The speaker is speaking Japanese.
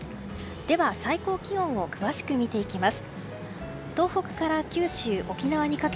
では、最高気温を詳しく見ていきます。